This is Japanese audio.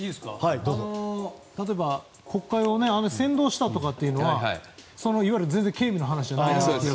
例えば、国会を扇動したとかっていうのはいわゆる軽微な話じゃないですよね。